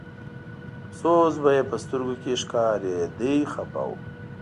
افسوس به یې په سترګو کې ښکارېده خپه و.